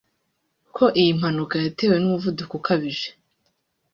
ko iyi mpanuka yatewe n’umuvuduko ukabije